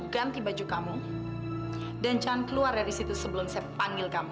gak ada apa apa